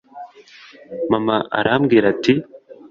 Mama arambwira ati